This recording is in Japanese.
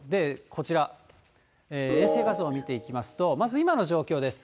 こちら、衛星画像見ていきますと、まず今の状況です。